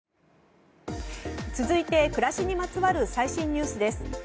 続いて、暮らしにまつわる最新ニュースです。